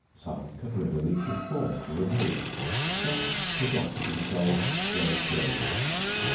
Some can readily conform to the new. Some adjust themselves very slowly.